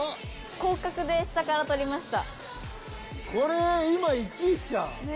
広角で下から撮りました。